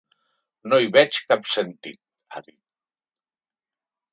No hi veig cap sentit, ha dit.